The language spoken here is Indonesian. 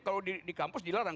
kalau di kampus dilarang